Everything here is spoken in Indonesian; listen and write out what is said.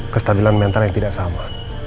kestabilan mental yang tidak sama